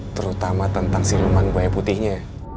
terutama tentang siluman kue putihnya